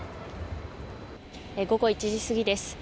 午後１時過ぎです。